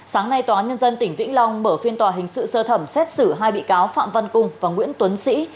sáng nay tòa án nhân dân tỉnh vĩnh long mở phiên tòa hình sự sơ thẩm xét xử hai bị cáo phạm văn cung và nguyễn tuấn sĩ